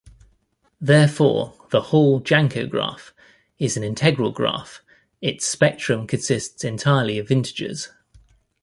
Therefore the Hall-Janko graph is an integral graph: its spectrum consists entirely of integers.